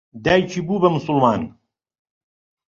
دایکی بوو بە موسڵمان.